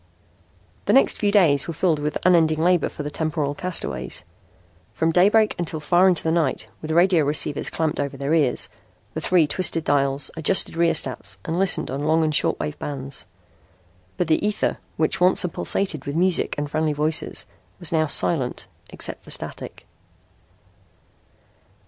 The next few days were filled with unending labor for the temporal castaways. From daybreak until far into the night, with radio receivers clamped over their ears, the three twisted dials, adjusted rheostats and listened in on long and short wave bands. But the ether, which once had pulsated with music and friendly voices, now was silent, except for static.